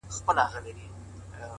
سیاه پوسي ده؛ خُم چپه پروت دی؛